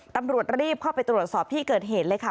ตำรวจรีบเข้าไปตรวจสอบที่เกิดเหตุเลยค่ะ